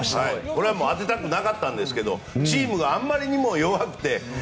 これは当てたくなかったんですけどチームがあまりにも弱くて。